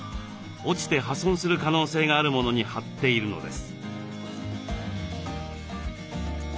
落ちて破損する可能性があるものに貼っているのです。